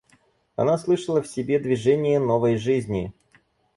Она слышала в себе движение новой жизни.